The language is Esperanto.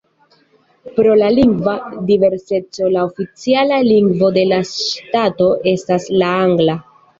Pro la lingva diverseco la oficiala lingvo de la ŝtato estas la angla.